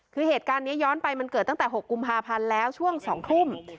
คือเหตุการณ์นี้ย้อนไปมันเกิดตั้งแต่๖กุมภาพันธ์แล้วช่วง๒ทุ่ม